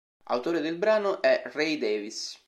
Autore del brano è Ray Davies.